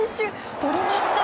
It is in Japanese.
とりました！